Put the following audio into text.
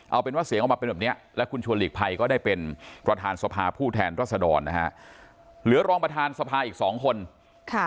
เอาเป็นว่าเสียงออกมาเป็นแบบเนี้ยและคุณชวนหลีกภัยก็ได้เป็นประธานสภาผู้แทนรัศดรนะฮะเหลือรองประธานสภาอีกสองคนค่ะ